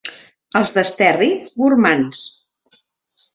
Els d'Esterri, gormands.